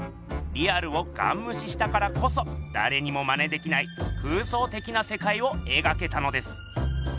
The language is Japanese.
リアルをガンむししたからこそだれにもマネできない空想的なせかいをえがけたのです。